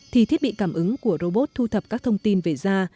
thì thiết bị cảm ứng của robot thu thập các thông tin về da